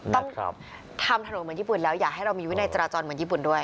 ต้องทำถนนเหมือนญี่ปุ่นแล้วอย่าให้เรามีวินัยจราจรเหมือนญี่ปุ่นด้วย